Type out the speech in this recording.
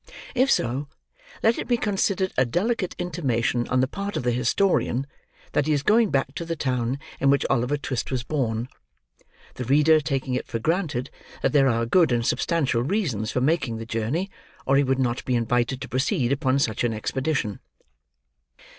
If so, let it be considered a delicate intimation on the part of the historian that he is going back to the town in which Oliver Twist was born; the reader taking it for granted that there are good and substantial reasons for making the journey, or he would not be invited to proceed upon such an expedition.